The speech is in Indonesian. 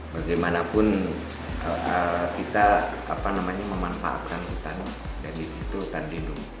bagaimana pun kita memanfaatkan hutan dan di situ hutan lindung